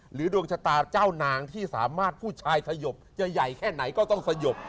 ดวงชะตาเจ้านางที่สามารถผู้ชายสยบจะใหญ่แค่ไหนก็ต้องสยบ